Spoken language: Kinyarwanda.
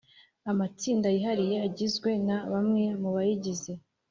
amatsinda yihariye agizwe na bamwe mu bayigize